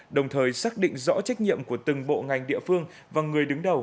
đồng thời xác định rõ trách nhiệm của từng bộ ngành địa phương và người đứng đầu